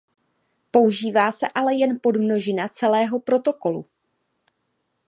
Používá se ale jen podmnožina celého protokolu.